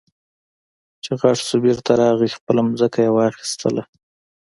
چې غټ شو بېرته راغی خپله ځمکه يې واخېستله.